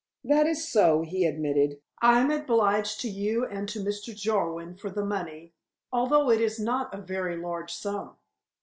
"That is so," he admitted. "I am obliged to you and to Mr. Jarwin for the money, although it is not a very large sum.